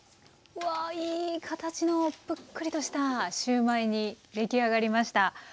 うわいい形のぷっくりとしたシューマイに出来上がりました！